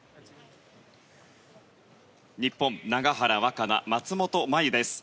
日本永原和可那、松本麻佑です。